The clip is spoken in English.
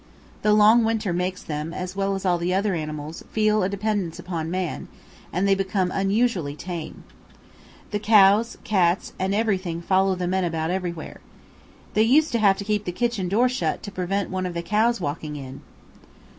The long winter makes them, as well as all the other animals, feel a dependence upon man, and they become unusually tame. The cows, cats, and everything follow the men about everywhere. They used to have to keep the kitchen door shut to prevent one of the cows walking in.